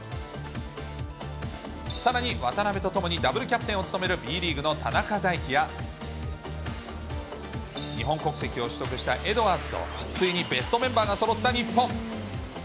さらに渡邊と共にダブルキャプテンを務めるＢリーグの田中大貴や、日本国籍を取得したエドワーズと、ついにベストメンバーがそろった日本。